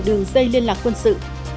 đường dây liên lạc quân sự